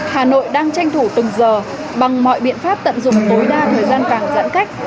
hà nội đang tranh thủ từng giờ bằng mọi biện pháp tận dụng tối đa thời gian vàng giãn cách